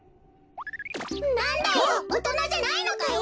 なんだよおとなじゃないのかよ！